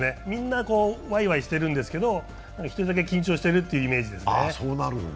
みんなワイワイしてるんですけど１人だけ緊張してるっていうイメージですね。